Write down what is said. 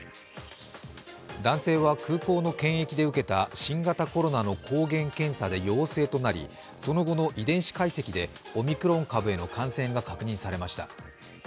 男性は空港の検疫で受けた新型コロナの検査で陽性となり、その後の遺伝子解析でオミクロン株への感染が確認されました。